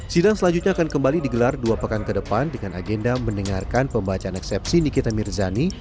sidang selanjutnya akan kembali digelar dua pekan ke depan dengan agenda mendengarkan pembacaan eksepsi nikita mirzani